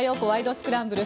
スクランブル」。